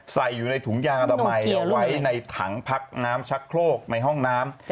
ใส่อยู่ในถุงยางอนามัยไว้ในถังพักน้ำชักโครกในห้องน้ำ